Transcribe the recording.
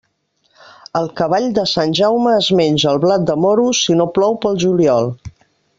El cavall de Sant Jaume es menja el blat de moro si no plou pel juliol.